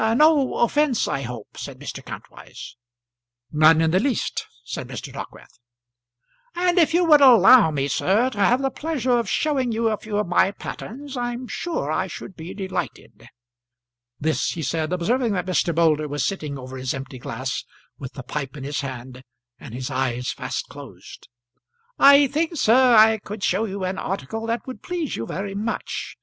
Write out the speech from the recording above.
"No offence, I hope," said Mr. Kantwise. "None in the least," said Mr. Dockwrath. "And if you would allow me, sir, to have the pleasure of showing you a few of my patterns, I'm sure I should be delighted." This he said observing that Mr. Moulder was sitting over his empty glass with the pipe in his hand, and his eyes fast closed. "I think, sir, I could show you an article that would please you very much.